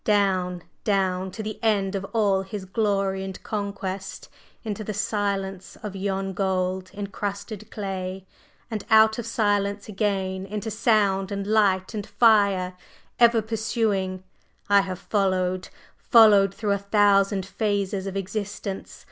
down, down to the end of all his glory and conquest into the silence of yon gold encrusted clay! And out of silence again into sound and light and fire, ever pursuing, I have followed followed through a thousand phases of existence!